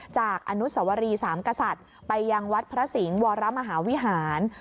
จากอนุสวรีสามกษัตริย์ไปยังวัดพระสิงห์วรมหาวิหาร